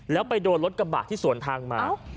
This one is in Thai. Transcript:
แล้วไปโดนรถกระบะที่สวนทางมา